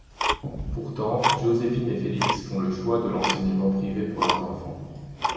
Pourtant, Joséphine et Félix font le choix de l’enseignement privé pour leurs enfants.